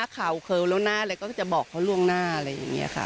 ข่าวเคลวแล้วนะแล้วก็จะบอกเขาล่วงหน้าอะไรอย่างนี้ค่ะ